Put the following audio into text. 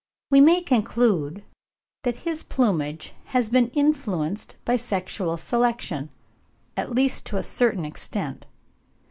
we may conclude that his plumage has been influenced by sexual selection, at least to a certain extent.